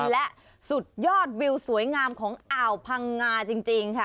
และสุดยอดวิวสวยงามของอ่าวพังงาจริงค่ะ